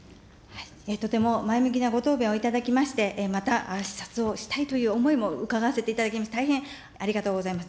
とても前向きなご答弁をいただきまして、また視察をしたいという思いも伺わせていただきまして、大変、ありがとうございます。